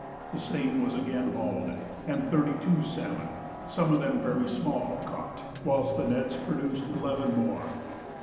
The seine was again hauled, and thirty two salmon (some of them very small) caught, whilst the nets produced eleven more.